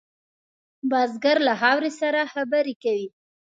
بزګر له خاورې سره خبرې کوي